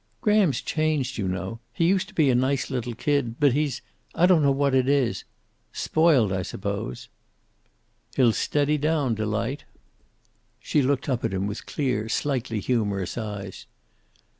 "Graham's changed, you know. He used to be a nice little kid. But he's I don't know what it is. Spoiled, I suppose." "He'll steady down, Delight." She looked up at him with clear, slightly humorous eyes.